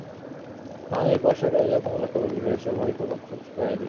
স্নানের পর শৈলজা কমলাকে বলিল, এসো ভাই, তোমার চুল শুকাইয়া দিই।